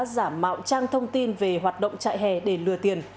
nhiều đối tượng lừa đảo đã giải mạo trang thông tin về hoạt động trại hè để lừa tiền